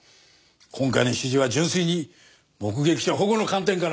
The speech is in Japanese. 今回の指示は純粋に目撃者保護の観点から。